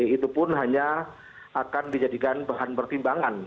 itu pun hanya akan dijadikan bahan pertimbangan